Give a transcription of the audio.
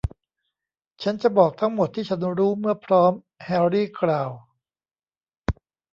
ฉันจะบอกทั้งหมดที่ฉันรู้เมื่อพร้อม แฮร์รี่กล่าว